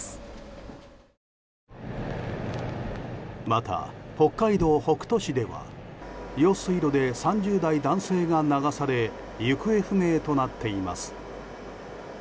また、北海道北斗市では用水路で３０代男性が流され行方不明となっています。